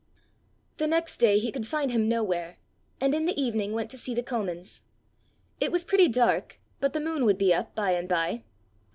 The next day he could find him nowhere, and in the evening went to see the Comins. It was pretty dark, but the moon would be up by and by.